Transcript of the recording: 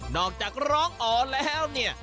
นอกจากร้องอ๋อแล้ว